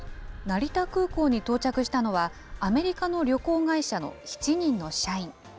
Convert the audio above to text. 成田空港に到着したのは、アメリカの旅行会社の７人の社員。